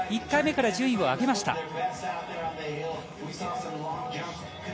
１回目から順位を上げました。